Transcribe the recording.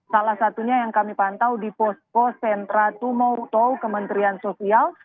salah satunya yang kami pantau di posko sentra tumoto kementerian sosial